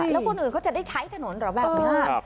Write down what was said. แล้วคนอื่นเขาจะได้ใช้ถนนเหรอแบบนี้